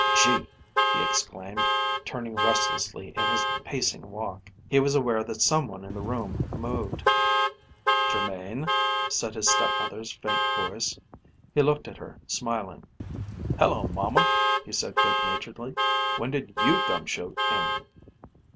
"Gee!" he exclaimed, turning restlessly in his pacing walk. He was aware that some one in the room moved. "Jermain," said his stepmother's faint voice. He looked at her smiling. "Hello, Momma," he said good naturedly, "when did you gum shoe in?"